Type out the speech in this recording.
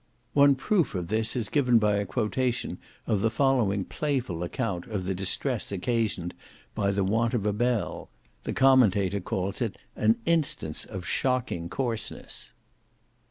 One proof of this is given by a quotation of the following playful account of the distress occasioned by the want of a bell. The commentator calls it an instance of "shocking coarseness."